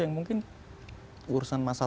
yang mungkin urusan masa